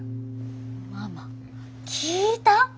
ママ聞いた？